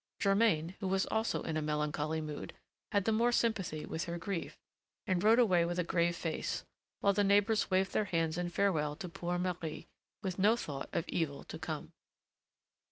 Germain, who was also in a melancholy mood, had the more sympathy with her grief, and rode away with a grave face, while the neighbors waved their hands in farewell to poor Marie, with no thought of evil to come.